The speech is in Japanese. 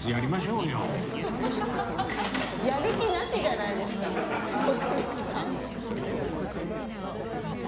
やる気なしじゃないですか徳光さん。